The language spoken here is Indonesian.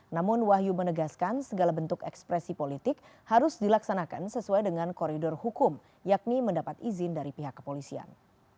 namun wahyu menegaskan segala bentuk ekspresi politik harus dilaksanakan sesuai dengan koridor hukum yakni mendapat izin dari pihak kepolisian